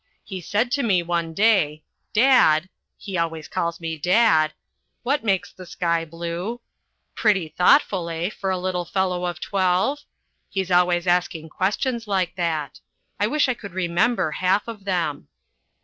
He said to me one day, "Dad" (he always calls me Dad), "what makes the sky blue?" Pretty thoughtful, eh, for a little fellow of twelve? He's always asking questions like that. I wish I could remember half of them.